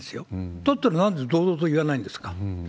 だったらなんで、堂々と言わないんですか。